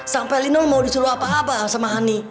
sampai lino mau disuruh apa apa sama hani